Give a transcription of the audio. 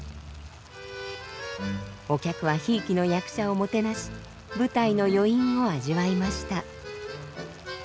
お客はひいきの役者をもてなし舞台の余韻を味わいました。